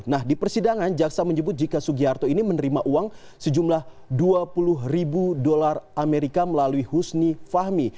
nah di persidangan jaksa menyebut jika sugiharto ini menerima uang sejumlah dua puluh ribu dolar amerika melalui husni fahmi